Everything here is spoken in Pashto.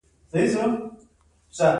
له کوټې څخه د غوټۍ ژړغونی غږ واورېدل شو.